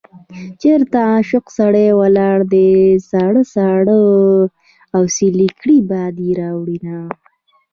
چېرته عاشق سړی ولاړ دی ساړه ساړه اسويلي کړي باد يې راوړينه